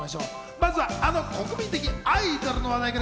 まずはあの国民的アイドルの話題から。